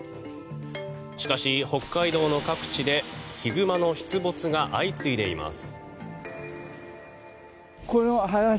しかし、北海道の各地でヒグマの出没が相次いでいます。